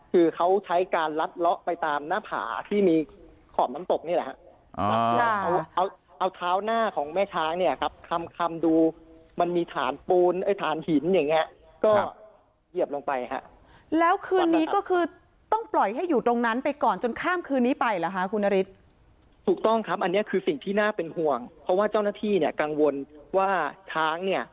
คือเขาใช้การลัดเลาะไปตามหน้าผาที่มีขอบน้ำตกนี่แหละฮะเอาเอาเท้าหน้าของแม่ช้างเนี่ยครับคำคำดูมันมีฐานปูนไอ้ฐานหินอย่างเงี้ยก็เหยียบลงไปฮะแล้วคืนนี้ก็คือต้องปล่อยให้อยู่ตรงนั้นไปก่อนจนข้ามคืนนี้ไปเหรอคะคุณนฤทธิ์ถูกต้องครับอันนี้คือสิ่งที่น่าเป็นห่วงเพราะว่าเจ้าหน้าที่เนี่ยกังวลว่าช้างเนี่ย